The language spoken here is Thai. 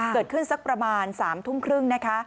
เกิดขึ้นสักประมาณ๓ทุ่มครึ่งนะคะ